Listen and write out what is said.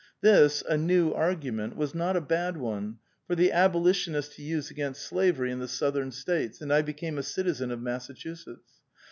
This, a new argument, was not a bad one, for the Abolitionists to use against slavery in the Southern States, and I became a citizen of Massachusetts.